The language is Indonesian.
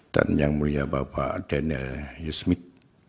dan yang mulia bapak daniel yusmit